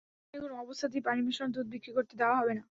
এখানে কোনো অবস্থাতেই পানি মেশানো দুধ বিক্রি করতে দেওয়া হবে না।